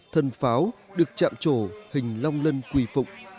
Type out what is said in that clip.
thân pháo được chạm trổ hình long lân quỳ phụng